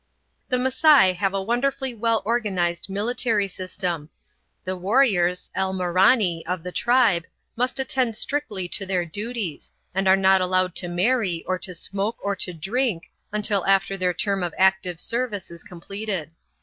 The Masai have a wonderfully well organised military system. The warriors (elmorani) of the tribe must attend strictly to their duties, and are not allowed to marry or to smoke or to drink until after their term of active service is completed.